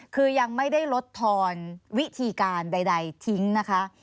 คือยังไม่ได้ลดทอนวิธีการใดทิ้งนะคะ